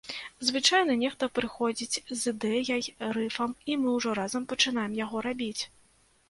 Звычайна нехта прыходзіць з ідэяй, рыфам, і мы ўжо разам пачынаем яго рабіць.